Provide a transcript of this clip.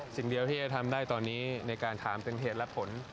สิ่งเดียวที่จะทำได้ตอนนี้ในการถามเป็นเหตุและผล